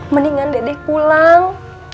mendingan dede pulang